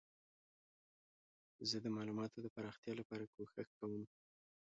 زه د معلوماتو د پراختیا لپاره کوښښ کوم.